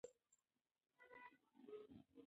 د شیباني خان د سر کاسه په سرو زرو کې ونیول شوه.